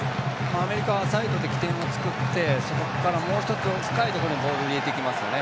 アメリカはサイドで起点を作ってそこからもう１つ深いところにボールを入れてきます。